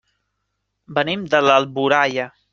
Venim d'Alboraia.